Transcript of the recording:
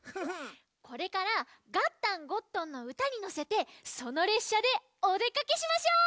これから「ガッタン＆ゴットン」のうたにのせてそのれっしゃでおでかけしましょう！